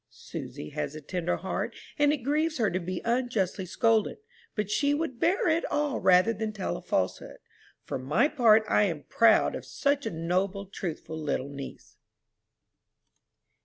Susy has a tender heart, and it grieves her to be unjustly scolded; but she would bear it all rather than tell a falsehood. For my part I am proud of such a noble, truthful little niece."